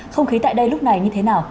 không khí tại đây lúc này như thế nào